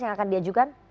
yang akan diajukan